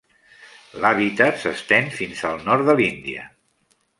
L'hàbitat s'estén fins al nord de l'Índia.